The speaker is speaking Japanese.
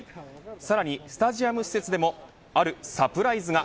さらにスタジアム施設でもあるサプライズが。